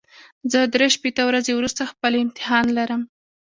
زه درې شپېته ورځې وروسته خپل امتحان لرم.